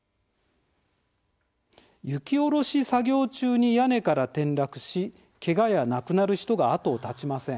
雪下ろし作業中に屋根から転落しけがや亡くなる人が後を絶ちません。